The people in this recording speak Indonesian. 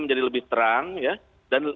menjadi lebih terang dan